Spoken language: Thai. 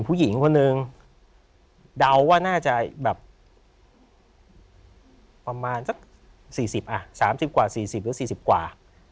ผู้หญิงคนหนึ่งเดาว่าน่าจะแบบประมาณสัก๔๐อ่ะ๓๐กว่า๔๐หรือ๔๐กว่า